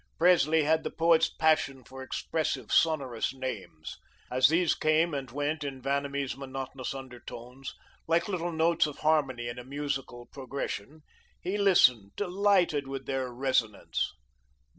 Presley had the poet's passion for expressive, sonorous names. As these came and went in Vanamee's monotonous undertones, like little notes of harmony in a musical progression, he listened, delighted with their resonance.